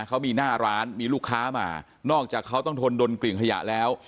เขามีหน้าร้านมีลูกค้ามานอกจากเขาต้องทนดนกลิ่งขยะแล้ว